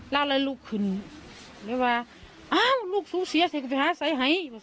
เล่าอะไรลูกคืนเลยว่าอ้าวลูกศิษย์เสียเสียก็ไปหาใส่ไห้